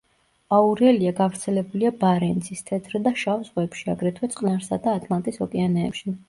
აურელია გავრცელებულია ბარენცის, თეთრ და შავ ზღვებში, აგრეთვე წყნარსა და ატლანტის ოკეანეებში.